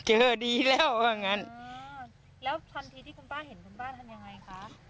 แล้วทันทีที่คุณป้าเห็นคุณป้าทำอย่างไรคะ